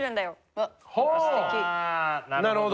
あなるほど。